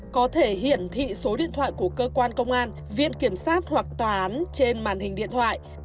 có thể hiển thị số điện thoại của cơ quan công an viện kiểm sát hoặc tòa án trên màn hình điện thoại